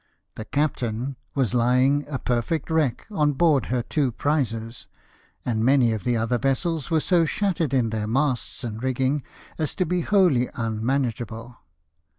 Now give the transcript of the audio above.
The Captain was lying a perfect wreck on board her two prizes, and many of the other vessels were so shattered in their masts and rigging as to be wholly unmanageable.